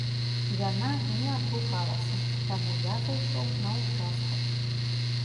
Яна не адгукалася, таму я зайшоў на ўчастак.